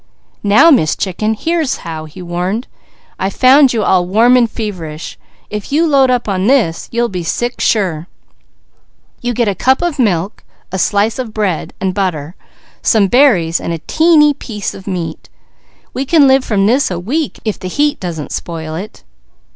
"Now Miss Chicken, here's how!" he warned. "I found you all warm and feverish. If you load up with this, you'll be sick sure. You get a cup of milk, a slice of bread and butter, some berries and a teeny piece of meat. We can live from this a week, if the heat doesn't spoil it."